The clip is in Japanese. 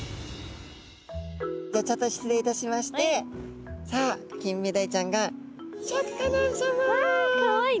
じゃあちょっと失礼いたしましてさあキンメダイちゃんがわかわいい。